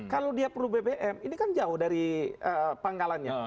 kalau dia perlu bbm ini kan jauh dari pangkalannya